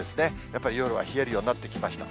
やっぱり夜は冷えるようになってきました。